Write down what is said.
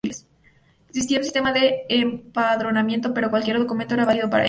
Existía un sistema de empadronamiento, pero cualquier documento era válido para ello.